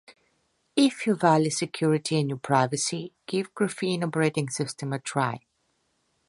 If you value security and your privacy, give Graphene Operating System a try.